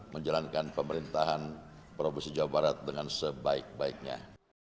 menjalankan pemerintahan provinsi jawa barat dengan sebaik baiknya